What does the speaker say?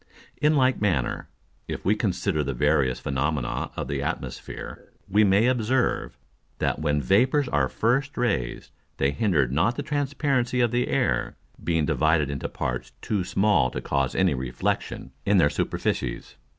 In like manner, if we consider the various Phænomena of the Atmosphere, we may observe, that when Vapours are first raised, they hinder not the transparency of the Air, being divided into parts too small to cause any Reflexion in their Superficies.